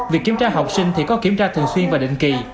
việc kiểm tra học sinh thì có kiểm tra thường xuyên và định kỳ